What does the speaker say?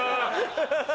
ハハハハ。